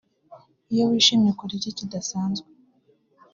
Iyo wishimye ukora iki kidasanzwe